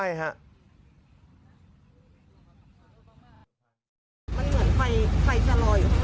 มันเหมือนไฟไฟชะลออยู่ข้างหน้า